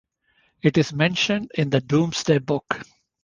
It is mentioned in the Domesday Book.